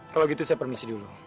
kalau gitu saya permisi dulu